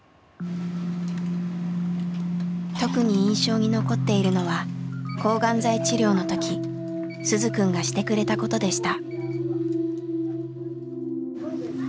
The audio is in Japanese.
特に印象に残っているのは抗がん剤治療の時鈴くんがしてくれたことでした。